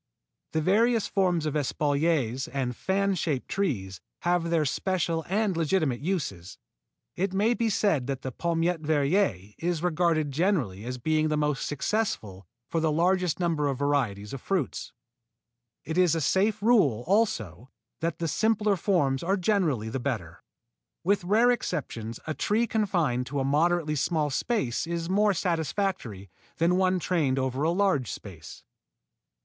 The various forms of espaliers and fan shaped trees have their special and legitimate uses. It may be said here that the Palmette Verrier is regarded generally as being the most successful for the largest number of varieties of fruits. It is a safe rule also that the simpler forms are generally the better. With rare exceptions a tree confined to a moderately small space is more satisfactory than one trained over a large space.